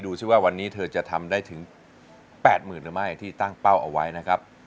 ซิว่าวันนี้เธอจะทำได้ถึง๘๐๐๐หรือไม่ที่ตั้งเป้าเอาไว้นะครับ